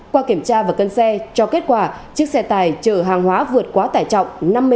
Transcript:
qua kiểm tra và cân xe cho kết quả chiếc xe tải chở hàng hóa vượt quá tải trọng năm mươi ba